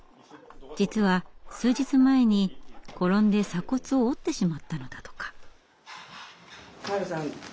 実は数日前に転んで鎖骨を折ってしまったのだとか。